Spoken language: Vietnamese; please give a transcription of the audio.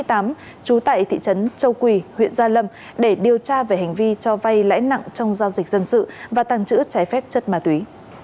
trú tại thị trấn châu quỳ huyện gia lâm để điều tra về hành vi cho vay lãi nặng trong giao dịch dân sự và tàng trữ trái phép chất ma túy